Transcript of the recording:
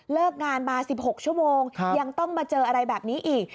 งานมา๑๖ชั่วโมงยังต้องมาเจออะไรแบบนี้อีก